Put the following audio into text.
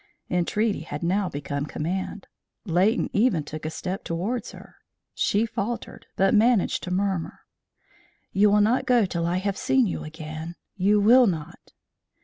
Entreaty had now become command; Leighton even took a step towards her. She faltered, but managed to murmur: "You will not go till I have seen you again. You will not!"